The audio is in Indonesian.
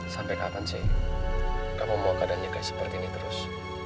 sampai kapan sih kamu mau keadaannya kayak seperti ini terus